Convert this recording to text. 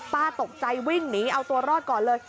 ป้าตกใจวิ่งหนีเอาตัวรอดก่อนเลย